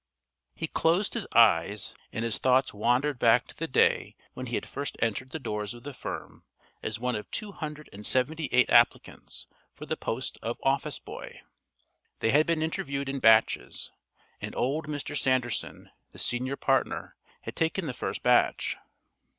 He closed his eyes, and his thoughts wandered back to the day when he had first entered the doors of the firm as one of two hundred and seventy eight applicants for the post of office boy. They had been interviewed in batches, and old Mr. Sanderson, the senior partner, had taken the first batch.